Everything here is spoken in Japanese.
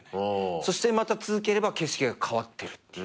そしてまた続ければ景色が変わってるっていう。